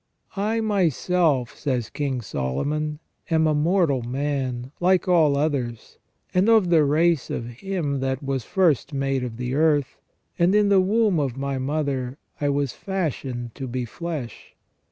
" I myself," says King Solomon, " am a mortal man, like all others, and of the race of him that was first made of the earth, and in the womb of my mother I was fashioned to be flesh.